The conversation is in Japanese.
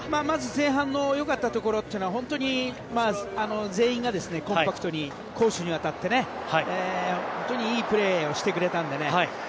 まず、前半の良かったところというのは本当に、全員がコンパクトに攻守にわたって、本当にいいプレーをしてくれたんでね。